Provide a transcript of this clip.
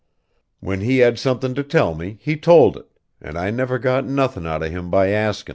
When he had something to tell me, he told it an' I never got nothin' out of him by askin'.